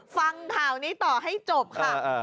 ฟังข่าวนี้ต่อให้จบค่ะ